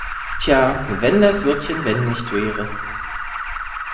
Tja, wenn das Wörtchen wenn nicht wäre!